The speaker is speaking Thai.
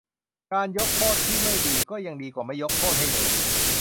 การยกโทษที่ไม่ดีก็ยังดีกว่าไม่ยกโทษให้เลย